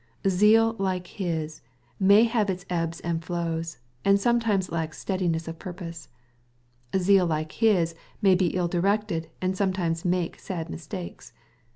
Zeal like his may have its ebbs and flows, and some times lack steadiness of purpose. Zeal like his may be ill directed, and sometimes make sad mistakes.